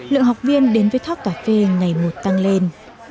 lượng học viên đến với tháp cà phê ngày một tăng lên